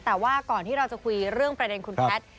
แต่ว่าก่อนที่เราจะคุยเรื่องประเด็นคุณแพทย์